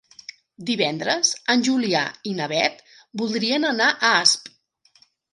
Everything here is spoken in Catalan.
Divendres en Julià i na Beth voldrien anar a Asp.